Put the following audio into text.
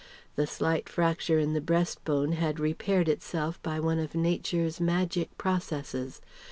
The slight fracture in the breastbone had repaired itself by one of Nature's magic processes.